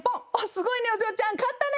すごいねお嬢ちゃん勝ったね！